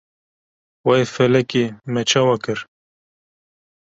Wey felekê me çawa kir?